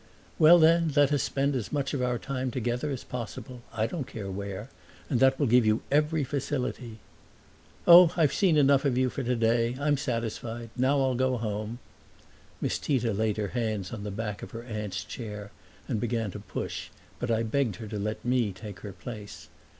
"Well then, let us spend as much of our time together as possible I don't care where and that will give you every facility." "Oh, I've seen you enough for today. I'm satisfied. Now I'll go home." Miss Tita laid her hands on the back of her aunt's chair and began to push, but I begged her to let me take her place.